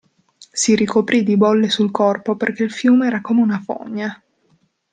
Si ricoprì di bolle sul corpo perché il fiume era come una fogna.